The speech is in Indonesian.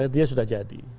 dia sudah jadi